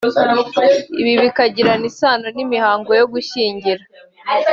ibi bikagirana isano n'imihango yo gushyingira